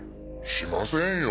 しませんよ。